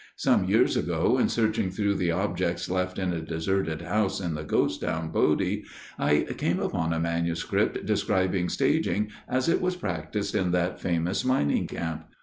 Some years ago, in searching through the objects left in a deserted house in the ghost town, Bodie, I came upon a manuscript describing staging as it was practiced in that famous mining camp.